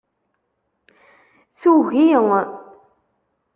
Tugi.